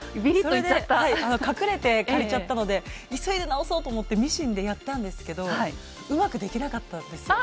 それで隠れて借りちゃったので急いで直そうと思ってミシンでやったんですけどうまくできなかったんですよね。